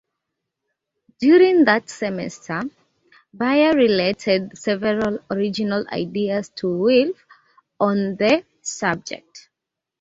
During that semester, Bayer related several original ideas to Wilf on the subject.